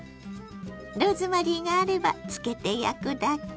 ローズマリーがあれば漬けて焼くだけ。